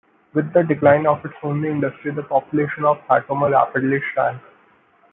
With the decline of its only industry, the population of Hatoma rapidly shrank.